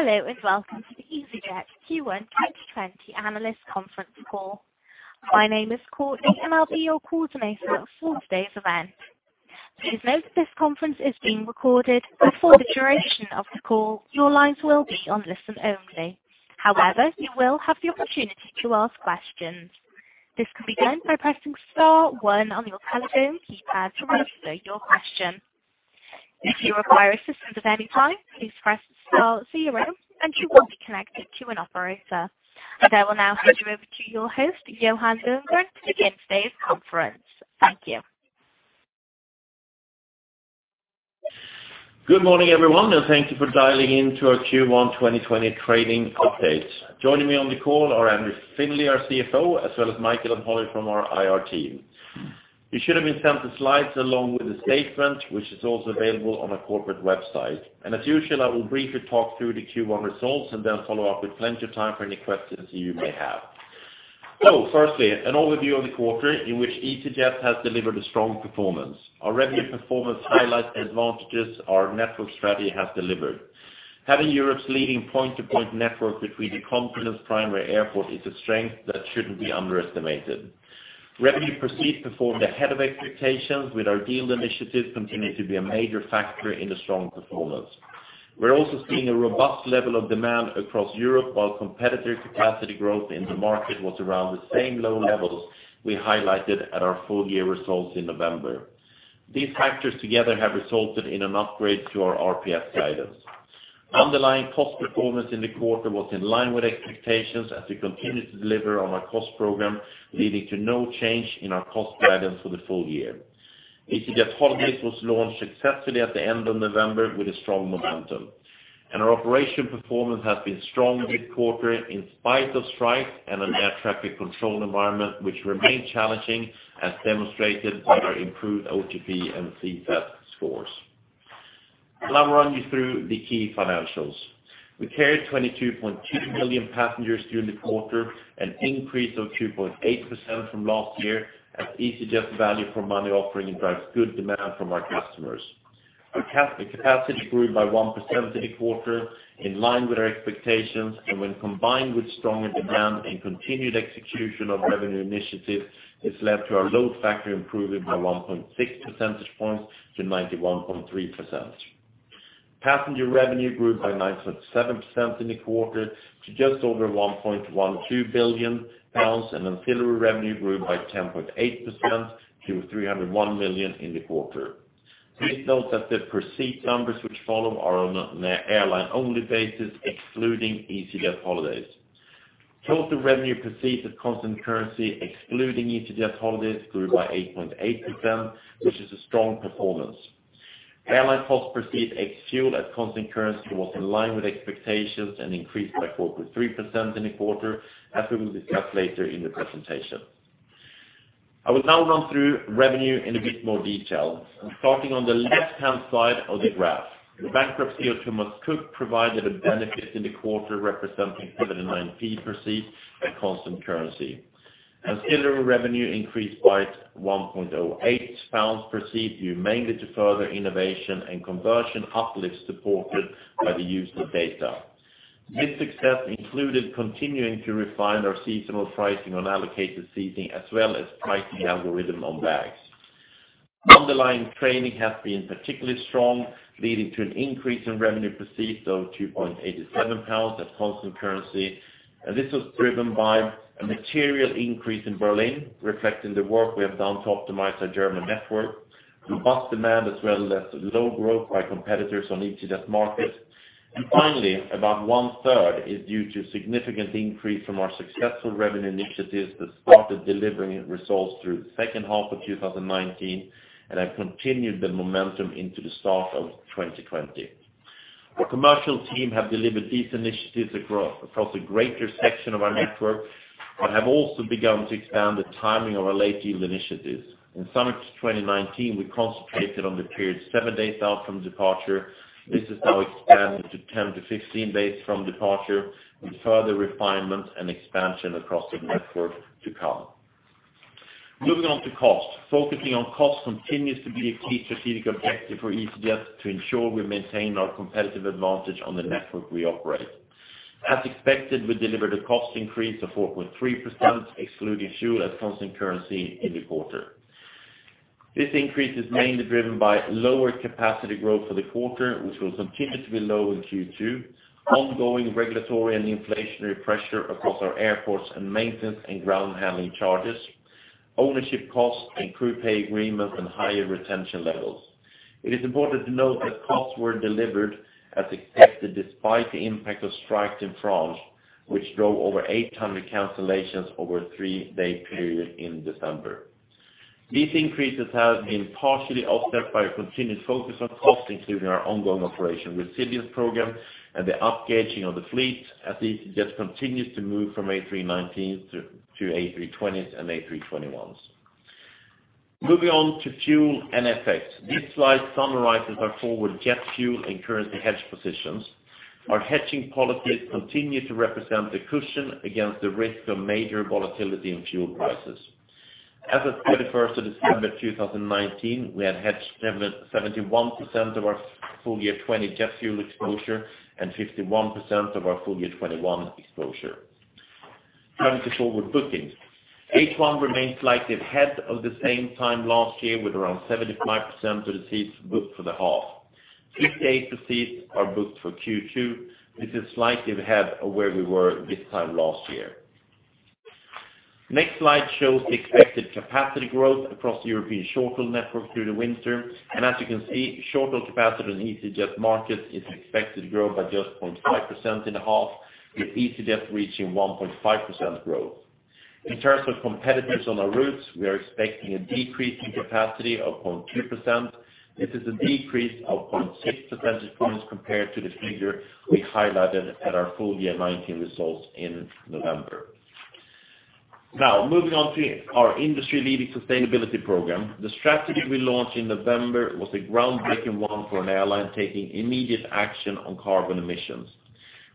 Hello, welcome to the easyJet Q1 2020 Analyst Conference Call. My name is Courtney, I'll be your coordinator for today's event. Please note that this conference is being recorded for the duration of the call, your lines will be on listen-only. However, you will have the opportunity to ask questions. This can be done by pressing star one on your telephone keypad to raise your question. If you require assistance at any time, please press star zero, you will be connected to an operator. I will now hand you over to your host, Johan Lundgren, to begin today's conference. Thank you. Good morning, everyone. Thank you for dialing in to our Q1 2020 trading update. Joining me on the call are Andrew Findlay, our CFO, as well as Michael and Holly from our IR team. You should have been sent the slides along with a statement, which is also available on our corporate website. As usual, I will briefly talk through the Q1 results and then follow up with plenty of time for any questions you may have. Firstly, an overview of the quarter in which easyJet has delivered a strong performance. Our revenue performance highlights the advantages our network strategy has delivered. Having Europe's leading point-to-point network between the continent's primary airports is a strength that shouldn't be underestimated. Revenue per seat performed ahead of expectations with our yield initiatives continuing to be a major factor in the strong performance. We're also seeing a robust level of demand across Europe while competitor capacity growth in the market was around the same low levels we highlighted at our full-year results in November. These factors together have resulted in an upgrade to our RPS guidance. Underlying cost performance in the quarter was in line with expectations as we continued to deliver on our cost program, leading to no change in our cost guidance for the full year. easyJet Holidays was launched successfully at the end of November with a strong momentum, and our operation performance has been strong this quarter in spite of strikes and an air traffic control environment which remained challenging as demonstrated by our improved OTP and CSAT scores. I'll run you through the key financials. We carried 22.2 million passengers during the quarter, an increase of 2.8% from last year as easyJet's value for money offering drives good demand from our customers. Our capacity grew by 1% in the quarter, in line with our expectations, and when combined with stronger demand and continued execution of revenue initiatives, it's led to our load factor improving by 1.6 percentage points to 91.3%. Passenger revenue grew by 9.7% in the quarter to just over 1.12 billion pounds, and ancillary revenue grew by 10.8% to 301 million in the quarter. Please note that the proceed numbers which follow are on an airline-only basis, excluding easyJet Holidays. Total revenue proceeds at constant currency, excluding easyJet Holidays, grew by 8.8%, which is a strong performance. Airline cost per seat ex-fuel at constant currency was in line with expectations and increased by 4.3% in the quarter, as we will discuss later in the presentation. I will now run through revenue in a bit more detail. I'm starting on the left-hand side of the graph. The bankruptcy of Thomas Cook provided a benefit in the quarter representing 39p per seat at constant currency. Ancillary revenue increased by £1.08 per seat due mainly to further innovation and conversion uplifts supported by the use of data. This success included continuing to refine our seasonal pricing on allocated seating as well as pricing algorithm on bags. Underlying trading has been particularly strong, leading to an increase in revenue per seat of £2.87 at constant currency. This was driven by a material increase in Berlin, reflecting the work we have done to optimize our German network, robust demand, as well as low growth by competitors on easyJet markets. Finally, about one-third is due to significant increase from our successful revenue initiatives that started delivering results through the second half of 2019 and have continued the momentum into the start of 2020. Our commercial team have delivered these initiatives across a greater section of our network, but have also begun to expand the timing of our late yield initiatives. In summer 2019, we concentrated on the period seven days out from departure. This is now expanded to 10 to 15 days from departure with further refinements and expansion across the network to come. Moving on to cost. Focusing on cost continues to be a key strategic objective for easyJet to ensure we maintain our competitive advantage on the network we operate. As expected, we delivered a cost increase of 4.3% excluding fuel at constant currency in the quarter. This increase is mainly driven by lower capacity growth for the quarter, which will continue to be low in Q2, ongoing regulatory and inflationary pressure across our airports and maintenance and ground handling charges, ownership costs and crew pay agreements, and higher retention levels. It is important to note that costs were delivered as expected despite the impact of strikes in France, which drove over 800 cancellations over a three-day period in December. These increases have been partially offset by a continued focus on cost, including our ongoing operation resilience program and the upgauging of the fleet as easyJet continues to move from A319 to A320s and A321s. Moving on to fuel and FX. This slide summarizes our forward jet fuel and currency hedge positions. Our hedging policies continue to represent the cushion against the risk of major volatility in fuel prices. As of 31st of December 2019, we had hedged 71% of our full year 2020 jet fuel exposure and 51% of our full year 2021 exposure. Turning to forward bookings. H1 remains slightly ahead of the same time last year, with around 75% of the seats booked for the half. 58% of seats are booked for Q2, which is slightly ahead of where we were this time last year. Next slide shows the expected capacity growth across the European short-haul network through the winter. As you can see, short-haul capacity in easyJet markets is expected to grow by just 0.5% in the half, with easyJet reaching 1.5% growth. In terms of competitors on our routes, we are expecting a decrease in capacity of 0.2%. This is a decrease of 0.6 percentage points compared to the figure we highlighted at our full year 2019 results in November. Moving on to our industry-leading sustainability program. The strategy we launched in November was a groundbreaking one for an airline taking immediate action on carbon emissions.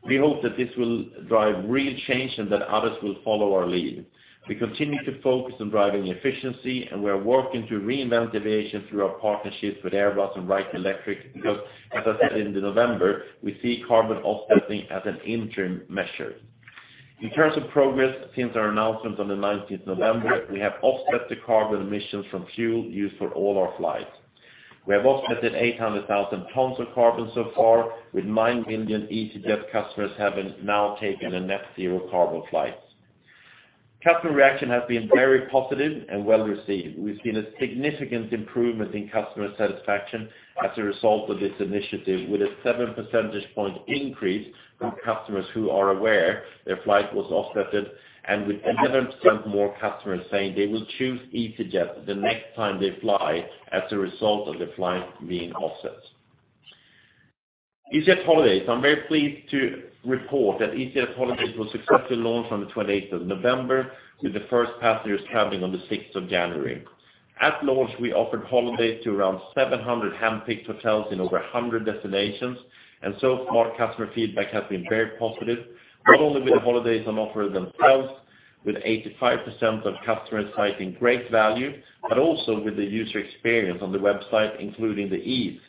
We hope that this will drive real change and that others will follow our lead. We continue to focus on driving efficiency, and we are working to reinvent aviation through our partnerships with Airbus and Wright Electric, because, as I said in November, we see carbon offsetting as an interim measure. In terms of progress since our announcement on the 19th of November, we have offset the carbon emissions from fuel used for all our flights. We have offset 800,000 tons of carbon so far, with 9 million easyJet customers having now taken a net zero carbon flight. Customer reaction has been very positive and well-received. We've seen a significant improvement in customer satisfaction as a result of this initiative, with a seven percentage point increase from customers who are aware their flight was offset and with 11% more customers saying they will choose easyJet the next time they fly as a result of their flight being offset. easyJet Holidays. I'm very pleased to report that easyJet Holidays was successfully launched on the 28th of November, with the first passengers traveling on the 6th of January. At launch, we offered holidays to around 700 handpicked hotels in over 100 destinations, and so far, customer feedback has been very positive, not only with the holidays on offer themselves, with 85% of customers citing great value, but also with the user experience on the website, including the ease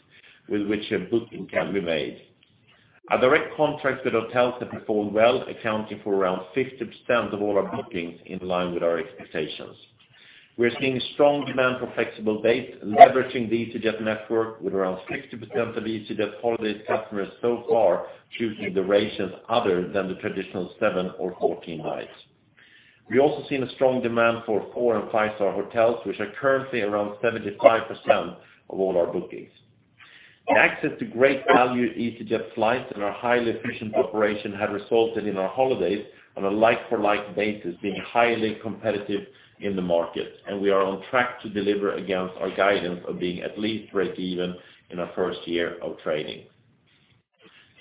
with which a booking can be made. Our direct contracts with hotels have performed well, accounting for around 50% of all our bookings in line with our expectations. We're seeing strong demand for flexible dates, leveraging the easyJet network with around 60% of easyJet Holidays customers so far choosing durations other than the traditional seven or 14 nights. We also seen a strong demand for four and five-star hotels, which are currently around 75% of all our bookings. Access to great value easyJet flights and our highly efficient operation have resulted in our holidays on a like-for-like basis being highly competitive in the market, we are on track to deliver against our guidance of being at least breakeven in our first year of trading.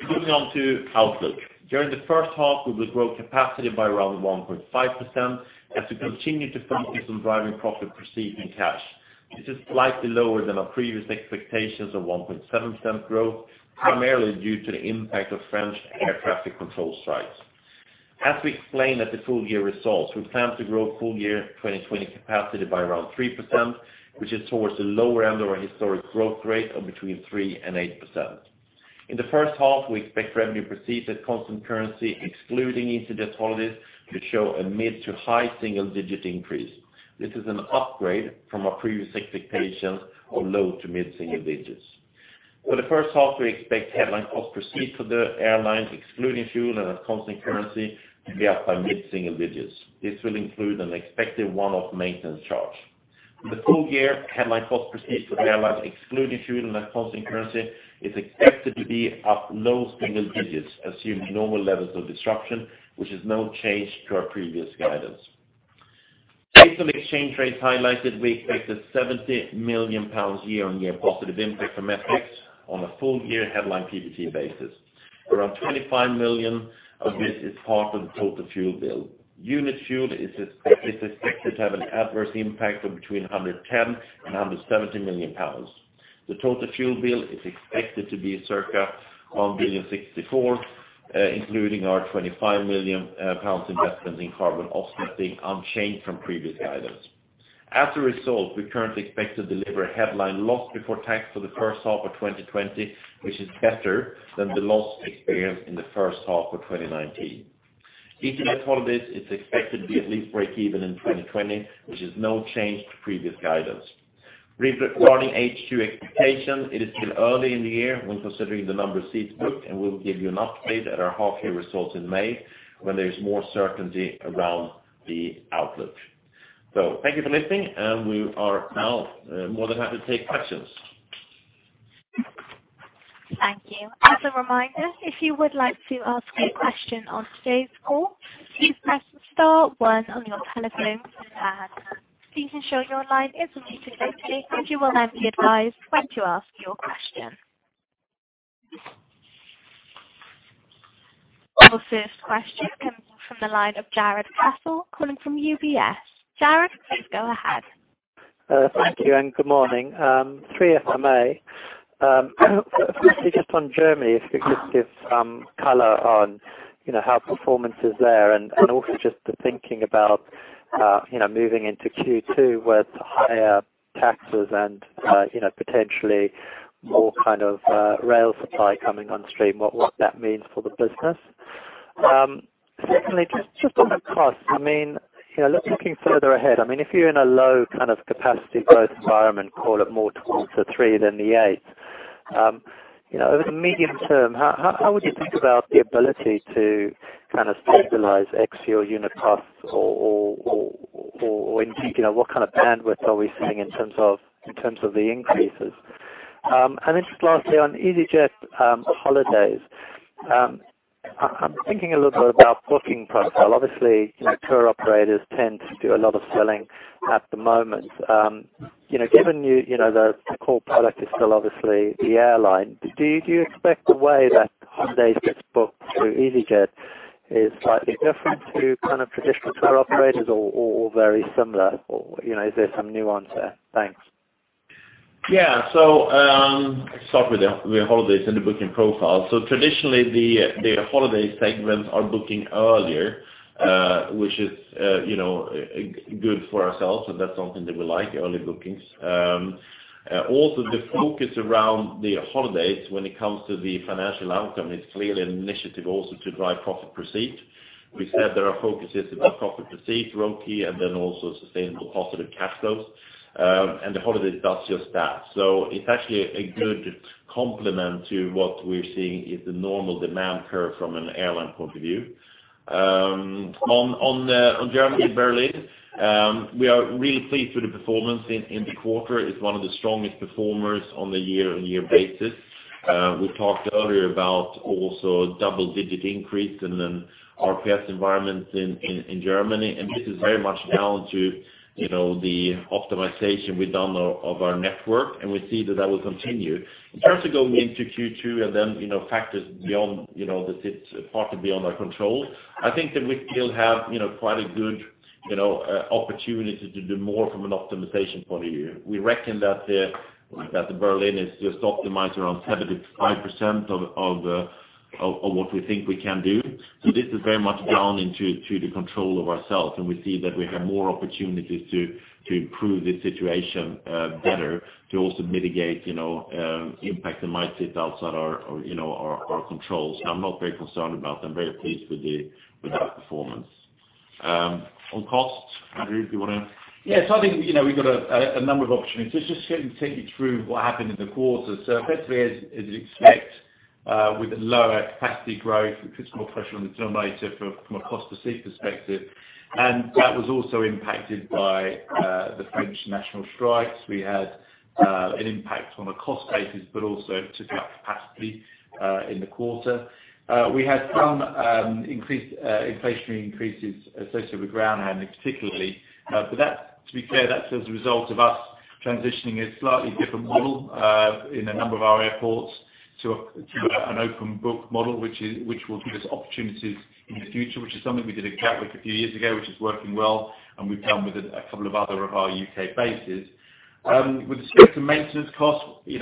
Moving on to outlook. During the first half, we will grow capacity by around 1.5% as we continue to focus on driving profit per seat and cash. This is slightly lower than our previous expectations of 1.7% growth, primarily due to the impact of French air traffic control strikes. As we explained at the full year results, we plan to grow full year 2020 capacity by around 3%, which is towards the lower end of our historic growth rate of between 3% and 8%. In the first half, we expect revenue per seat at constant currency, excluding easyJet Holidays, to show a mid to high single-digit increase. This is an upgrade from our previous expectations of low to mid single digits. For the first half, we expect headline cost per seat for the airlines, excluding fuel and at constant currency, to be up by mid-single digits. This will include an expected one-off maintenance charge. The full-year headline cost per seat for the airlines, excluding fuel and at constant currency, is expected to be up low single digits, assuming normal levels of disruption, which is no change to our previous guidance. Based on exchange rates highlighted, we expect a 70 million pounds year-on-year positive impact from FX on a full-year headline PBT basis. Around 25 million of this is part of the total fuel bill. Unit fuel is expected to have an adverse impact of between 110 million pounds and 170 million pounds. The total fuel bill is expected to be circa 1,064 million, including our 25 million pounds investment in carbon offsetting, unchanged from previous guidance. As a result, we currently expect to deliver a headline loss before tax for the first half of 2020, which is better than the loss experienced in the first half of 2019. easyJet Holidays is expected to be at least breakeven in 2020, which is no change to previous guidance. Regarding H2 expectations, it is still early in the year when considering the number of seats booked, and we'll give you an update at our half year results in May, when there is more certainty around the outlook. Thank you for listening, and we are now more than happy to take questions. Thank you. As a reminder, if you would like to ask a question on today's call, please press star one on your telephone keypad. Please ensure your line is unmuted and you will then be advised when to ask your question. Our first question comes from the line of Jarrod Castle calling from UBS. Jarrod, please go ahead. Thank you. Good morning. Three for MA. Firstly, just on Germany, if you could give some color on how performance is there and also just the thinking about moving into Q2 with higher taxes and potentially more rail supply coming on stream, what that means for the business. Secondly, just on the costs, looking further ahead, if you're in a low capacity growth environment, call it more towards the three than the eight. Over the medium term, how would you think about the ability to stabilize X or unit costs or indeed, what kind of bandwidth are we seeing in terms of the increases? Just lastly, on easyJet Holidays. I'm thinking a little bit about booking profile. Obviously, tour operators tend to do a lot of selling at the moment. Given the core product is still obviously the airline, do you expect the way that holidays gets booked through easyJet is slightly different to traditional tour operators or very similar? Is there some nuance there? Thanks. Yeah. Start with the Holidays and the booking profile. Traditionally the Holidays segments are booking earlier, which is good for ourselves, and that's something that we like, early bookings. The focus around the Holidays when it comes to the financial outcome is clearly an initiative also to drive profit per seat. We said there are focuses about profit per seat, ROCE, and then also sustainable positive cash flows, and the Holidays does just that. It's actually a good complement to what we're seeing is the normal demand curve from an airline point of view. On Germany, Berlin, we are really pleased with the performance in the quarter. It's one of the strongest performers on the year-on-year basis. We talked earlier about also double-digit increase in an RPS environment in Germany. This is very much down to the optimization we've done of our network. We see that that will continue. In terms of going into Q2, factors partly beyond our control, I think that we still have quite a good opportunity to do more from an optimization point of view. We reckon that the Berlin is just optimized around 75% of what we think we can do. This is very much down into the control of ourselves. We see that we have more opportunities to improve this situation better to also mitigate impact that might sit outside our controls. I'm not very concerned about them. Very pleased with that performance. On costs, Andrew, do you want to? Yes, I think we've got a number of opportunities. Basically, as you'd expect with lower capacity growth, it puts more pressure on the turn later from a cost-per-seat perspective. That was also impacted by the French national strikes. We had an impact on a cost basis, but also took out capacity in the quarter. To be clear, that's as a result of us transitioning a slightly different model in a number of our airports to an open-book model, which will give us opportunities in the future, which is something we did at Gatwick a few years ago, which is working well, and we've done with a couple of other of our U.K. bases. With the maintenance costs, with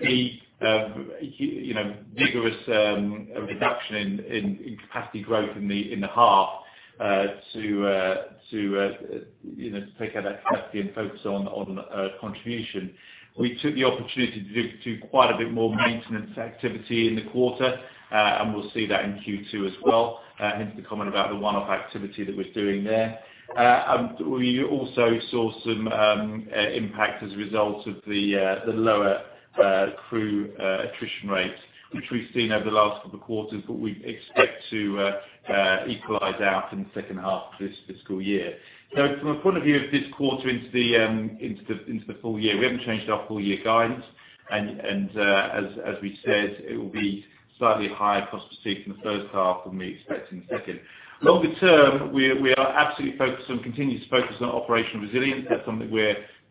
the vigorous reduction in capacity growth in the half to take out that capacity and focus on contribution, we took the opportunity to do quite a bit more maintenance activity in the quarter, and we'll see that in Q2 as well, hence the comment about the one-off activity that we're doing there. We also saw some impact as a result of the lower crew attrition rates, which we've seen over the last couple of quarters, but we expect to equalize out in the second half of this fiscal year. From a point of view of this quarter into the full year, we haven't changed our full-year guidance, and as we said, it will be slightly higher cost per seat in the first half than we expect in the second. Longer term, we are absolutely focused on, continue to focus on operational resilience. That's something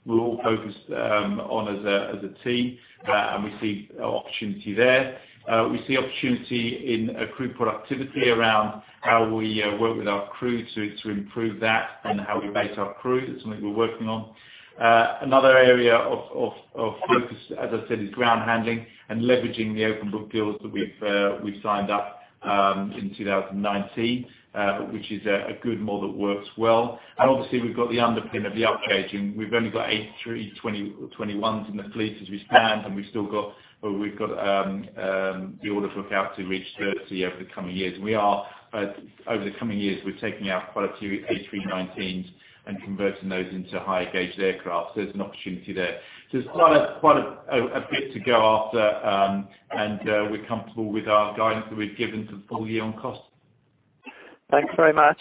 we're all focused on as a team, and we see opportunity there. We see opportunity in crew productivity around how we work with our crew to improve that and how we base our crew. That's something we're working on. Another area of focus, as I said, is ground handling and leveraging the open book deals that we've signed up in 2019, which is a good model that works well. Obviously, we've got the underpin of the upgauging. We've only got A321s in the fleet as we stand, and we've got the order for up to reach 30 over the coming years. Over the coming years, we're taking out quite a few A319s and converting those into higher gauge aircraft, so there's an opportunity there. There's quite a bit to go after, and we're comfortable with our guidance that we've given to the full year on costs. Thanks very much.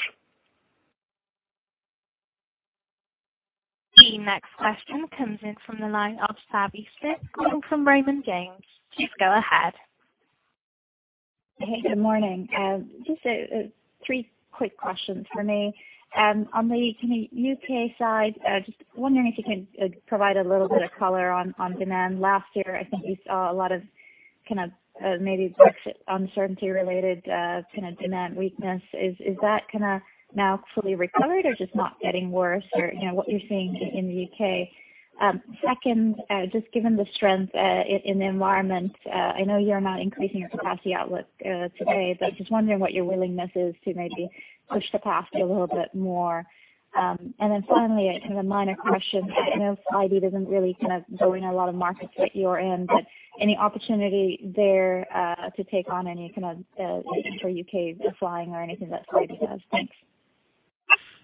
The next question comes in from the line of Savanthi Syth from Raymond James. Please go ahead. Hey, good morning. Just three quick questions for me. On the U.K. side, just wondering if you can provide a little bit of color on demand. Last year, I think we saw a lot of kind of maybe Brexit uncertainty related kind of demand weakness. Is that kind of now fully recovered or just not getting worse? Or what you're seeing in the U.K.? Just given the strength in the environment, I know you're not increasing your capacity outlook today, but just wondering what your willingness is to maybe push capacity a little bit more. Finally, kind of a minor question. I know Flybe doesn't really kind of go in a lot of markets that you're in, but any opportunity there, to take on any kind of for U.K. flying or anything that Flybe does? Thanks.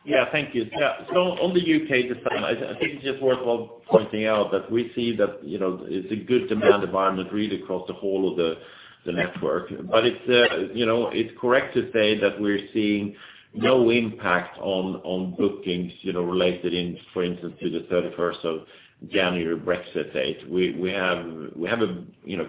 Yeah, thank you. On the U.K. this time, I think it's just worthwhile pointing out that we see that it's a good demand environment really across the whole of the network. It's correct to say that we're seeing no impact on bookings related in, for instance, to the 31st of January Brexit date. We have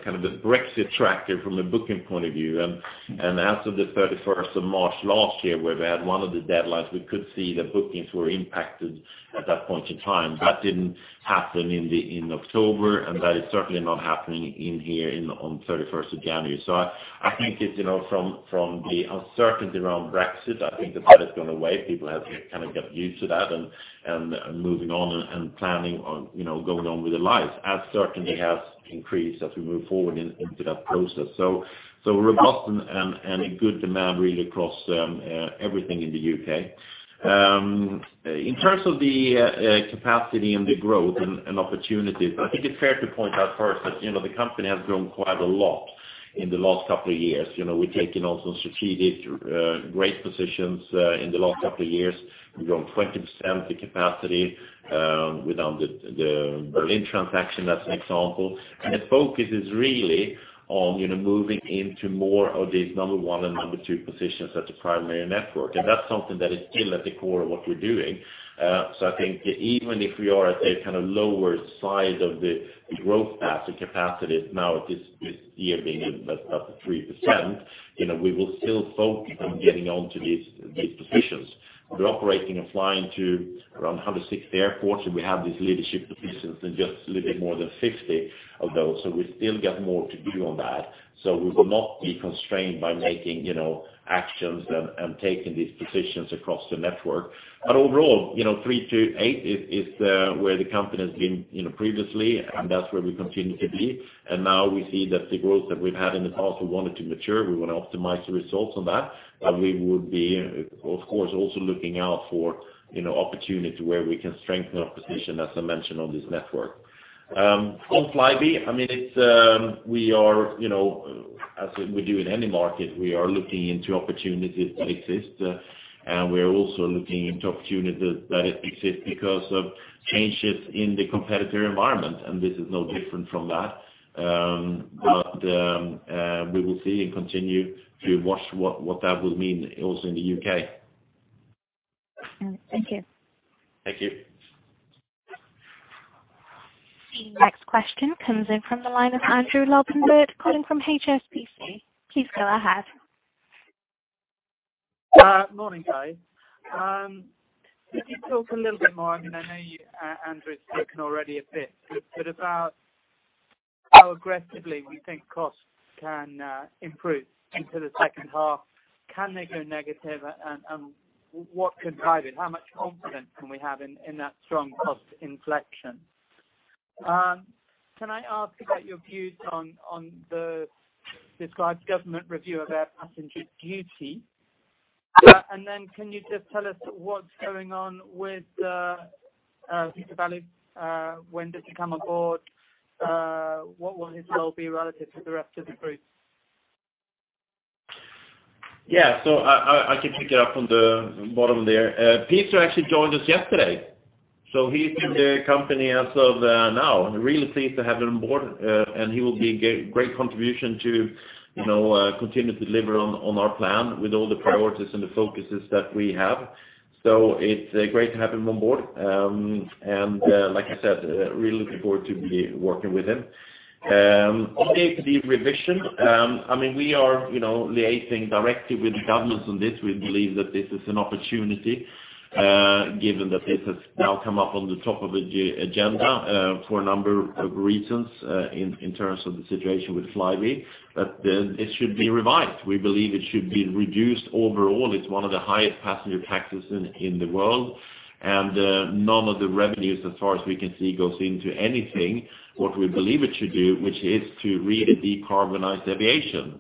kind of this Brexit tracker from a booking point of view. As of the 31st of March last year, where we had one of the deadlines, we could see that bookings were impacted at that point in time. That didn't happen in October, and that is certainly not happening in here on 31st of January. I think from the uncertainty around Brexit, I think that that has gone away. People have kind of got used to that and moving on and planning on going on with their lives as certainty has increased as we move forward into that process. Robust and a good demand really across everything in the U.K. In terms of the capacity and the growth and opportunities, I think it's fair to point out first that the company has grown quite a lot in the last couple of years. We've taken on some strategic great positions, in the last couple of years. We've grown 20% the capacity, with the Berlin transaction as an example. The focus is really on moving into more of these number 1 and number 2 positions at the primary network. That's something that is still at the core of what we're doing. I think even if we are at a kind of lower size of the growth capacity now at this year being up to 3%, we will still focus on getting onto these positions. We're operating and flying to around 160 airports, and we have these leadership positions in just a little bit more than 50 of those. We still got more to do on that. We will not be constrained by making actions and taking these positions across the network. Overall, 3%-8% is where the company has been previously, and that's where we continue to be. Now we see that the growth that we've had in the past, we want it to mature. We want to optimize the results on that. We would be, of course, also looking out for opportunity where we can strengthen our position, as I mentioned, on this network. On Flybe, as we do in any market, we are looking into opportunities that exist. We are also looking into opportunities that exist because of changes in the competitor environment, and this is no different from that. We will see and continue to watch what that will mean also in the U.K. Thank you. Thank you. The next question comes in from the line of Andrew Lobbenberg calling from HSBC. Please go ahead. Morning, guys. Could you talk a little bit more, I know Andrew's spoken already a bit, about how aggressively we think costs can improve into the second half. Can they go negative? What can drive it? How much confidence can we have in that strong cost inflection? Can I ask about your views on the described government review of Air Passenger Duty? Can you just tell us what's going on with Peter Bellew? When does he come aboard? What will his role be relative to the rest of the group? I can pick it up from the bottom there. Peter actually joined us yesterday, so he is in the company as of now, and really pleased to have him on board. He will be a great contribution to continue to deliver on our plan with all the priorities and the focuses that we have. It is great to have him on board. Like I said, really looking forward to be working with him. On the APD revision, we are liaising directly with the governments on this. We believe that this is an opportunity, given that this has now come up on the top of the agenda, for a number of reasons, in terms of the situation with Flybe, but it should be revised. We believe it should be reduced overall. It's one of the highest passenger taxes in the world. None of the revenues, as far as we can see, goes into anything what we believe it should do, which is to really decarbonize aviation,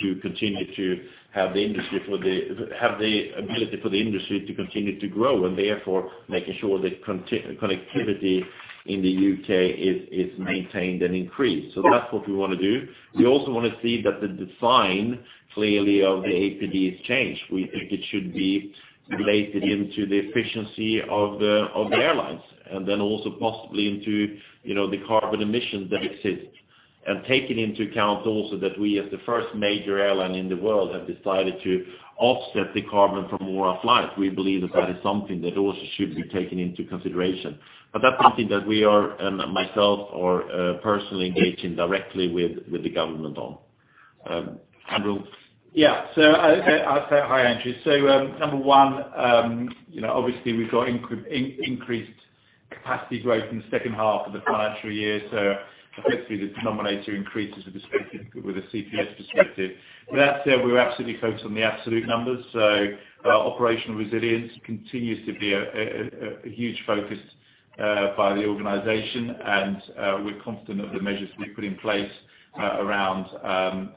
to continue to have the ability for the industry to continue to grow, and therefore making sure that connectivity in the U.K. is maintained and increased. That's what we want to do. We also want to see that the design, clearly, of the APD is changed. We think it should be related into the efficiency of the airlines. Also possibly into the carbon emissions that exist. Taking into account also that we, as the first major airline in the world, have decided to offset the carbon from all our flights. We believe that is something that also should be taken into consideration. That's something that we are personally engaging directly with the government on. Yeah. I'll say hi, Andrew. Number 1, obviously we've got increased capacity growth in the second half of the financial year, so effectively the denominator increases with a CPS perspective. With that said, we're absolutely focused on the absolute numbers. Operational resilience continues to be a huge focus by the organization and we're confident of the measures we put in place around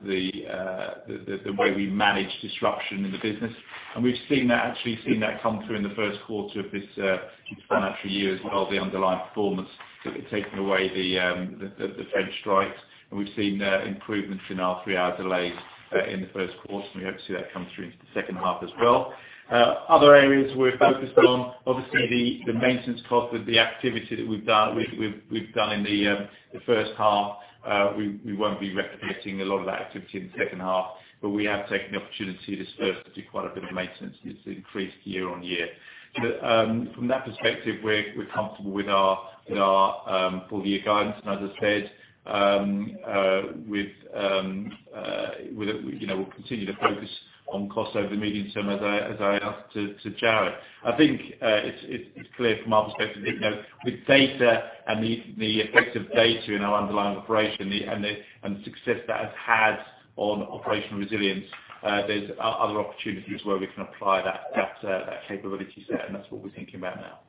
the way we manage disruption in the business. We've actually seen that come through in the first quarter of this financial year as well, the underlying performance, taking away the French strikes. We've seen improvements in our 3-hour delays in the first quarter, and we hope to see that come through into the second half as well. Other areas we're focused on, obviously the maintenance cost of the activity that we've done in the first half, we won't be replicating a lot of that activity in the second half. We have taken the opportunity to do quite a bit of maintenance. It's increased year-over-year. From that perspective, we're comfortable with our full-year guidance. As I said, we'll continue to focus on costs over the medium term, as I asked to Jarrod. I think it's clear from our perspective with data and the effects of data in our underlying operation and the success that has had on operational resilience, there's other opportunities where we can apply that capability set and that's what we're thinking about now.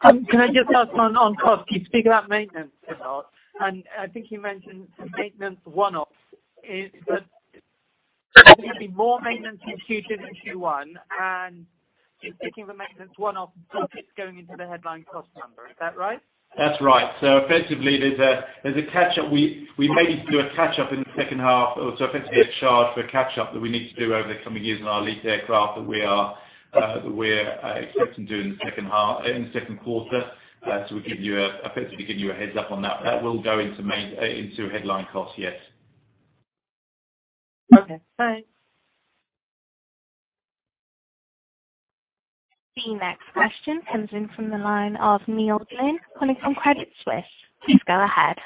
Can I just ask one on cost? You speak about maintenance and all, and I think you mentioned maintenance one-off. Is there going to be more maintenance in Q2 than Q1, and is taking the maintenance one-off, it is going into the headline cost number. Is that right? That's right. Effectively, there's a catch-up. We may need to do a catch-up in the second half, or effectively a charge for a catch-up that we need to do over the coming years in our leased aircraft that we're expecting to do in the second quarter. We're effectively giving you a heads up on that. That will go into headline costs, yes. Okay, thanks. The next question comes in from the line of Neil Glynn calling from Credit Suisse. Please go ahead.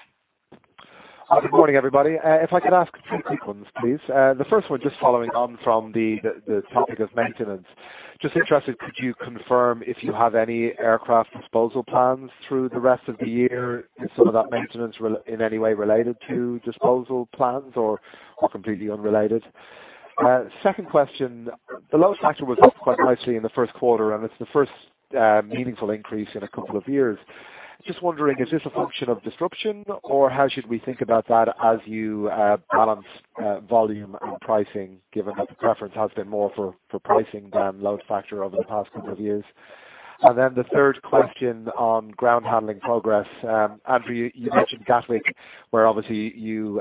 Good morning, everybody. If I could ask two quick ones, please. The first one, just following on from the topic of maintenance. Just interested, could you confirm if you have any aircraft disposal plans through the rest of the year? Is some of that maintenance in any way related to disposal plans or completely unrelated? Second question. The load factor was up quite nicely in the first quarter, and it's the first meaningful increase in a couple of years. Just wondering, is this a function of disruption or how should we think about that as you balance volume and pricing, given that the preference has been more for pricing than load factor over the past couple of years? Then the third question on ground handling progress. Andrew, you mentioned Gatwick, where obviously you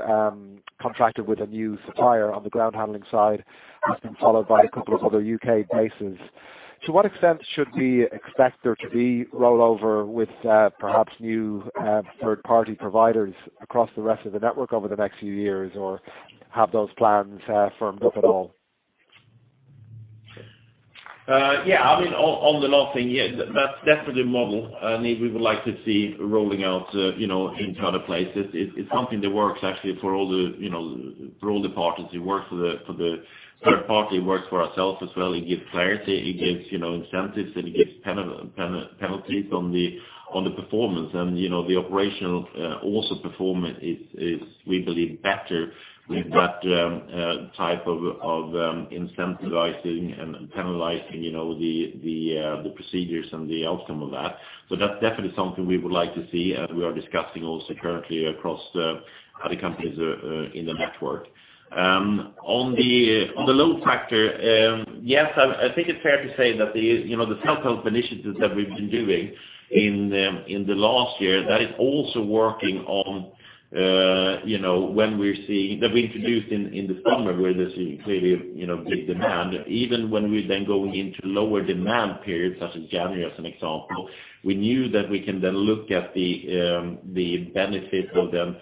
contracted with a new supplier on the ground handling side, that's been followed by a couple of other U.K. bases. To what extent should we expect there to be rollover with perhaps new third-party providers across the rest of the network over the next few years? Have those plans firmed up at all? Yeah. On the last thing, that's definitely a model we would like to see rolling out into other places. It's something that works actually for all the parties. It works for the third party, it works for ourselves as well. It gives clarity, it gives incentives, and it gives penalties on the performance. The operational also performance is, we believe, better with that type of incentivizing and penalizing the procedures and the outcome of that. That's definitely something we would like to see and we are discussing also currently across other companies in the network. On the load factor, yes, I think it's fair to say that the self-help initiatives that we've been doing in the last year, that is also working on that we introduced in the summer where there's clearly big demand. Even when we're then going into lower demand periods, such as January as an example, we knew that we can then look at the benefit of them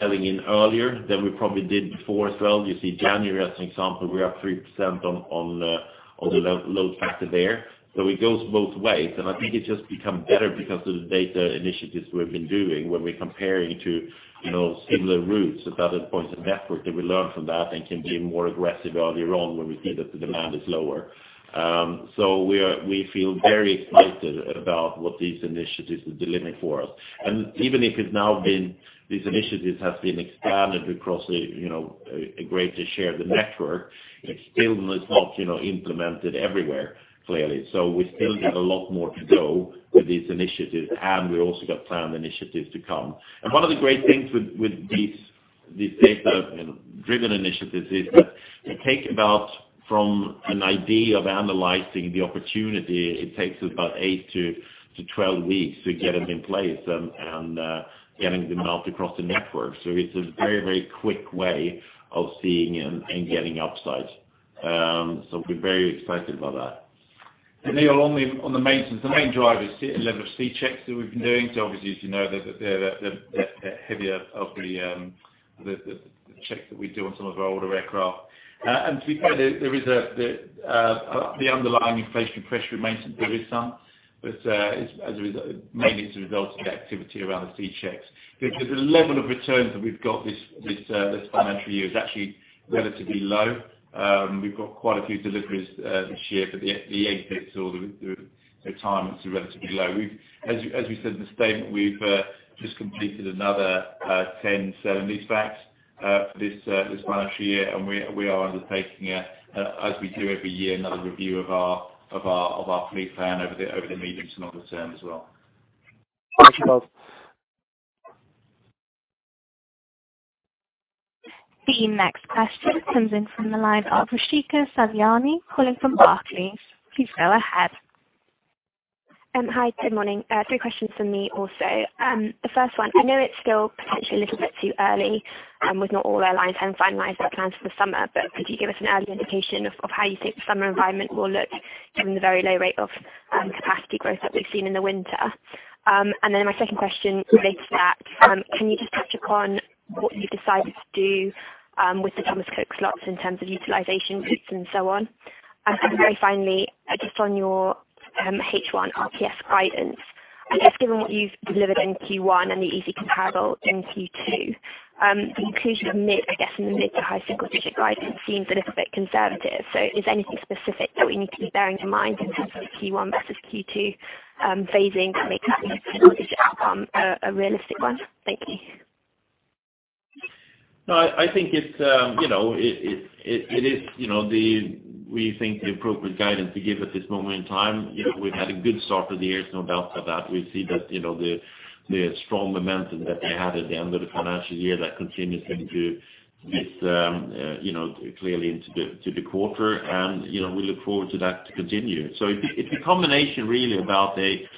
selling in earlier than we probably did before as well. You see January as an example, we're up 3% on the load factor there. It goes both ways. I think it's just become better because of the data initiatives we've been doing when we're comparing to similar routes at other points of network that we learn from that and can be more aggressive earlier on when we see that the demand is lower. We feel very excited about what these initiatives are delivering for us. Even if these initiatives have been expanded across a greater share of the network, it still is not implemented everywhere, clearly. We still have a lot more to go with these initiatives and we also got planned initiatives to come. One of the great things with these data driven initiatives is that they take about from an idea of analyzing the opportunity, it takes about 8 to 12 weeks to get it in place and getting them out across the network. It's a very quick way of seeing and getting upside. We're very excited about that. Neil, on the maintenance, the main driver is the level of C checks that we've been doing. Obviously, as you know, they're the heavier of the checks that we do on some of our older aircraft. To be fair, there is the underlying inflation pressure in maintenance. There is some. Mainly it's a result of activity around the C checks. Because the level of returns that we've got this financial year is actually relatively low. We've got quite a few deliveries this year, but the A checks or the retirements are relatively low. As we said in the statement, we've just completed another 10 sale and leasebacks for this financial year. We are undertaking, as we do every year, another review of our fleet plan over the medium to longer term as well. Thanks, Charles. The next question comes in from the line of Rishika Savjani, calling from Barclays. Please go ahead. Hi, good morning. Three questions from me also. The first one, I know it's still potentially a little bit too early with not all airlines having finalized their plans for the summer, could you give us an early indication of how you think the summer environment will look given the very low rate of capacity growth that we've seen in the winter? My second question relates to that. Can you just touch upon what you've decided to do with the Thomas Cook slots in terms of utilization rates and so on? Very finally, just on your H1 RPS guidance. I guess given what you've delivered in Q1 and the easy comparable in Q2, the inclusion of mid, I guess in the mid to high single-digit guidance seems a little bit conservative. Is there anything specific that we need to be bearing in mind in terms of the Q1 versus Q2 phasing that makes that mid-single-digit outcome a realistic one? Thank you. I think it is we think the appropriate guidance to give at this moment in time. We've had a good start to the year, there's no doubt about that. We see that the strong momentum that we had at the end of the financial year, that continues clearly into the quarter, we look forward to that to continue. It's a combination really about a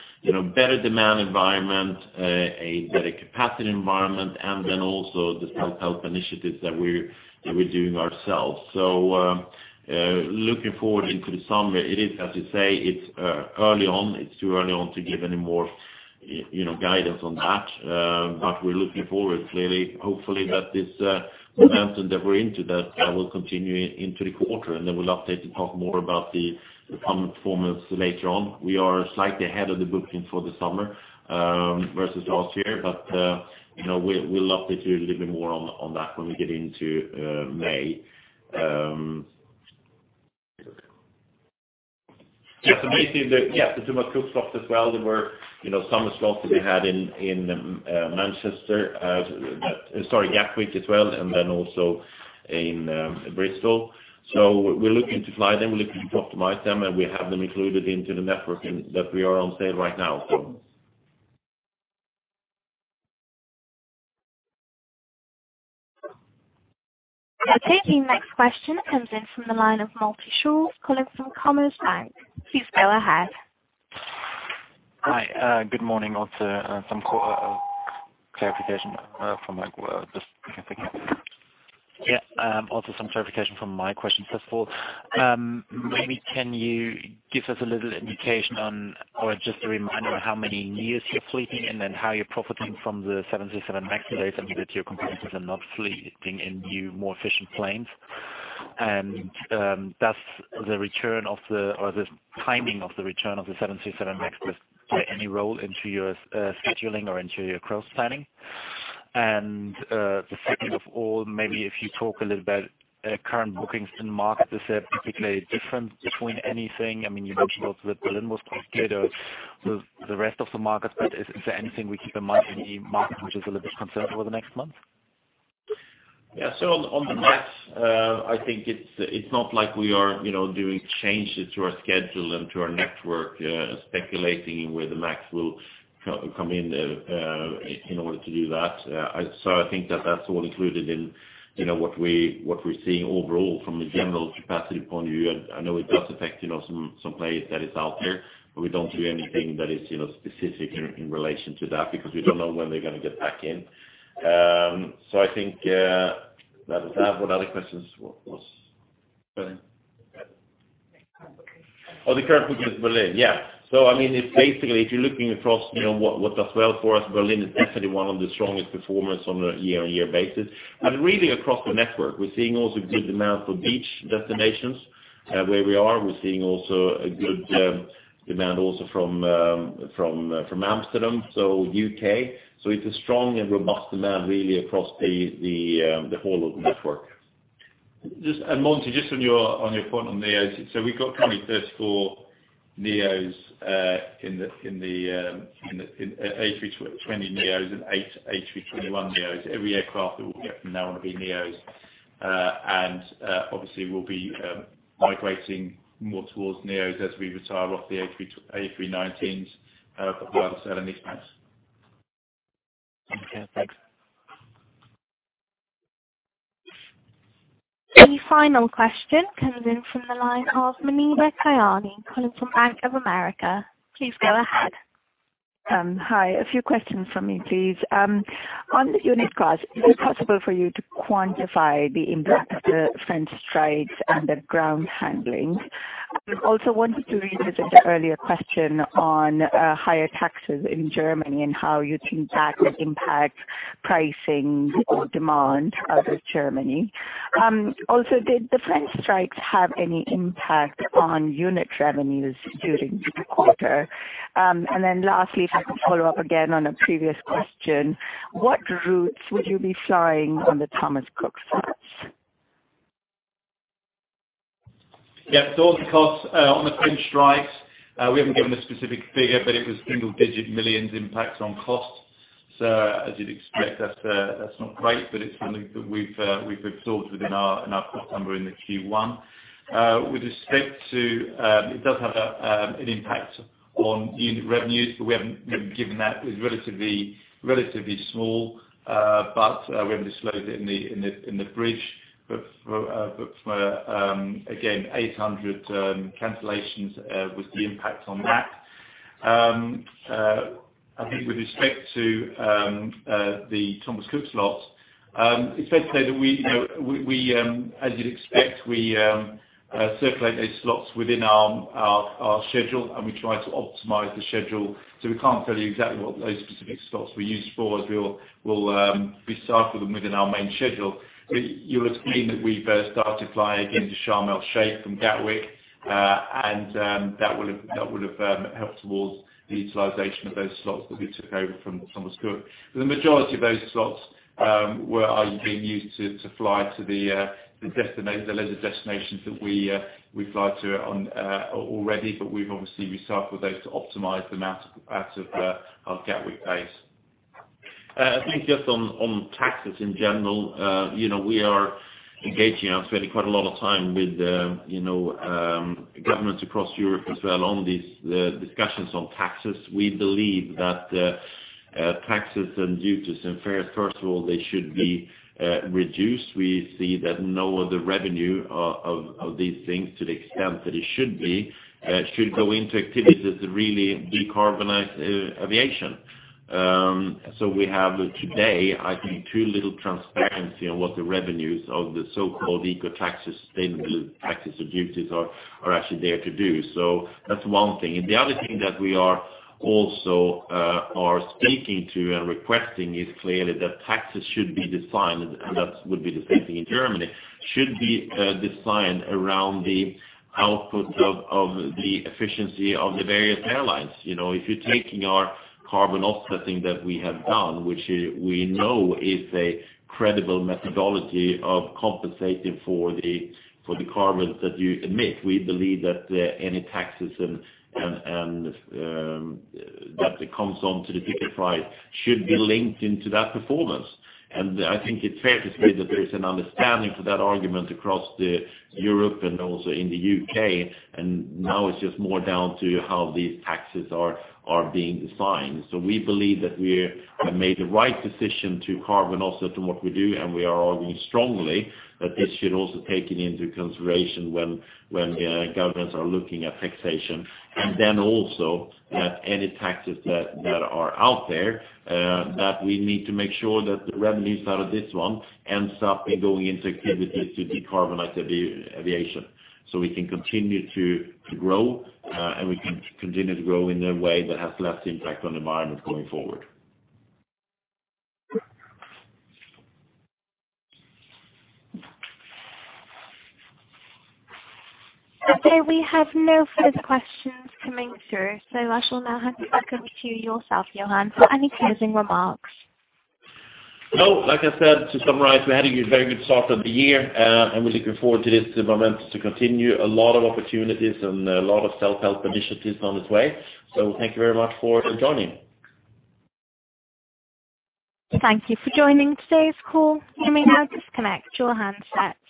better demand environment, a better capacity environment, also the self-help initiatives that we're doing ourselves. Looking forward into the summer, as you say, it's too early on to give any more guidance on that. We're looking forward clearly, hopefully, that this momentum that we're into, that will continue into the quarter, we'll update and talk more about the performance later on. We are slightly ahead of the bookings for the summer versus last year. We'll update you a little bit more on that when we get into May. Yeah. Basically, the Thomas Cook slots as well, there were summer slots that we had in Manchester, sorry, Gatwick as well, and then also in Bristol. We're looking to fly them, we're looking to optimize them, and we have them included into the network that we are on sale right now. Okay. The next question comes in from the line of Malte Höppner, calling from Commerzbank. Please go ahead. Hi, good morning. Some clarification from my question. First of all, can you give us a little indication on or just a reminder on how many neo you're fleeting and then how you're profiting from the 737 MAX delays and whether your competitors are not fleeting in new, more efficient planes? Does the timing of the return of the 737 MAX play any role into your scheduling or into your cross planning? The second of all, if you talk a little about current bookings in the market. Is there particularly a difference between anything? You mentioned also that Berlin was popular to the rest of the markets. Is there anything we keep in mind in the market which is a little bit concerned over the next month? Yeah. On the MAX, I think it's not like we are doing changes to our schedule and to our network, speculating where the MAX will come in order to do that. I think that that's all included in what we're seeing overall from a general capacity point of view. I know it does affect some players that is out there, but we don't do anything that is specific in relation to that, because we don't know when they're going to get back in. I think that is that. What other questions was? The current bookings. The current bookings Berlin. It's basically, if you're looking across what does well for us, Berlin is definitely one of the strongest performers on a year-on-year basis. Really across the network, we're seeing also good demand for beach destinations where we are. We're seeing also a good demand also from Amsterdam, so U.K. It's a strong and robust demand really across the whole of the network. Malte, just on your point on neos. We've got currently 34 A320neos and eight A321neos. Every aircraft that we'll get from now on will be neos. Obviously we'll be migrating more towards neos as we retire off the A319s by the sale and leasebacks. Okay, thanks. The final question comes in from the line of Muneeba Kiani, calling from Bank of America. Please go ahead. Hi, a few questions from me, please. On the unit cost, is it possible for you to quantify the impact of the French strikes and the ground handling? I also wanted to revisit the earlier question on higher taxes in Germany and how you think that will impact pricing or demand out of Germany. Did the French strikes have any impact on unit revenues during the quarter? Lastly, if I can follow up again on a previous question, what routes would you be flying on the Thomas Cook slots? Yeah. On the cost, on the French strikes, we haven't given a specific figure, but it was single-digit millions impact on cost. As you'd expect, that's not great, but it's something that we've absorbed within our cost number in the Q1. It does have an impact on unit revenues, but we haven't given that. It's relatively small, but we have disclosed it in the bridge. Again, 800 cancellations was the impact on that. I think with respect to the Thomas Cook slots, it's fair to say that as you'd expect, we circulate those slots within our schedule, and we try to optimize the schedule, so we can't tell you exactly what those specific slots were used for, as we'll recycle them within our main schedule. You're seeing that we've started flying again to Sharm El Sheikh from Gatwick, and that would have helped towards the utilization of those slots that we took over from Thomas Cook. The majority of those slots are being used to fly to the leisure destinations that we fly to already. We've obviously recycled those to optimize them out of our Gatwick base. I think just on taxes in general, we are engaging and spending quite a lot of time with governments across Europe as well on these discussions on taxes. We believe that taxes and duties and fares, first of all, they should be reduced. We see that no other revenue of these things to the extent that it should be, should go into activities that really decarbonize aviation. We have today, I think, too little transparency on what the revenues of the so-called eco taxes, sustainable taxes or duties are actually there to do. That's one thing. The other thing that we also are speaking to and requesting is clearly that taxes should be designed, and that would be the same thing in Germany, should be designed around the output of the efficiency of the various airlines. If you're taking our carbon offsetting that we have done, which we know is a credible methodology of compensating for the carbon that you emit, we believe that any taxes that comes on to the ticket price should be linked into that performance. I think it's fair to say that there is an understanding for that argument across Europe and also in the U.K. Now it's just more down to how these taxes are being designed. We believe that we have made the right decision to carbon offset what we do, and we are arguing strongly that this should also be taken into consideration when governments are looking at taxation. Also that any taxes that are out there, that we need to make sure that the revenues out of this one ends up in going into activities to decarbonize aviation. We can continue to grow, and we can continue to grow in a way that has less impact on the environment going forward. Okay. We have no further questions coming through, so I shall now hand back over to yourself, Johan, for any closing remarks. Like I said, to summarize, we had a very good start of the year, and we're looking forward to this momentum to continue. A lot of opportunities and a lot of self-help initiatives on its way. Thank you very much for joining. Thank you for joining today's call. You may now disconnect your handsets.